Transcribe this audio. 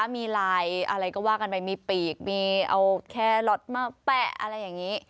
มีลายอะไรก็ว่ากันไปมีปีกมีเอาแครอทมาแปะอะไรอย่างนี้